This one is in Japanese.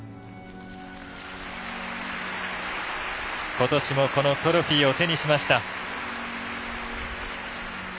ことしもこのトロフィーを手にしました。